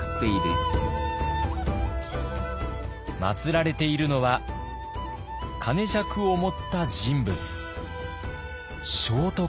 まつられているのは曲尺を持った人物。